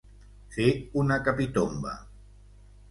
Fer una capitomba.